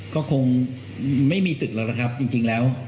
ก็คงไม่มีศึกแล้วนะครับจริงแล้ว